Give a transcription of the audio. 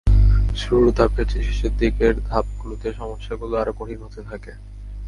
শুরুর ধাপের চেয়ে শেষের দিকের ধাপগুলোতে সমস্যাগুলো আরও কঠিন হতে থাকে।